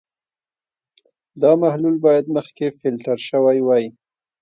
دا محلول باید مخکې فلټر شوی وي.